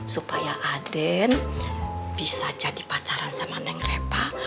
supaya aden bisa jadi pacaran sama neng repa